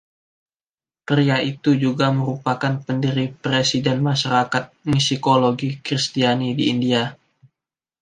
Pria itu juga merupakan Pendiri-Presiden Masyarakat Musikologi Kristiani di India.